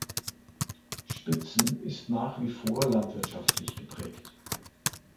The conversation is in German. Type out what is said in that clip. Spitzen ist nach wie vor landwirtschaftlich geprägt.